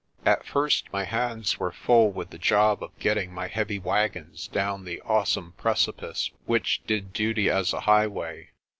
At first my hands were full with the job of get ting my heavy wagons down the awesome precipice which did duty as a highway.